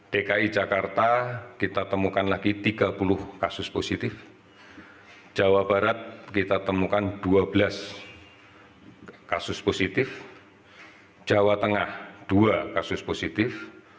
dki jakarta kita temukan lagi tiga puluh kasus positif jawa barat kita temukan dua belas kasus positif jawa tengah dua kasus positif